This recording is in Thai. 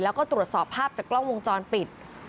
แล้วก็ตรวจสอบภาพจากกล้องวงจรปิด